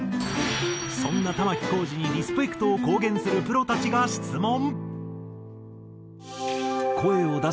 そんな玉置浩二にリスペクトを公言するプロたちが質問。